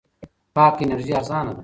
پاکه انرژي ارزان ده.